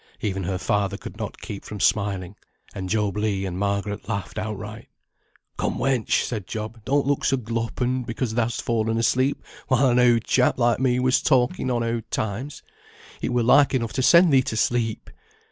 Even her father could not keep from smiling, and Job Legh and Margaret laughed outright. "Come, wench," said Job, "don't look so gloppened because thou'st fallen asleep while an oud chap like me was talking on oud times. It were like enough to send thee to sleep.